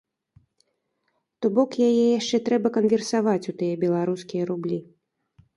То бок, яе яшчэ трэба канверсаваць у тыя беларускія рублі.